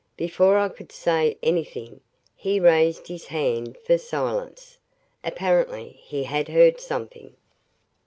Before I could say anything, he raised his hand for silence. Apparently he had heard something.